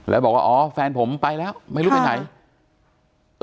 แล้วบอกว่าอ๋อแฟนผมไปแล้วไม่รู้ไปไหน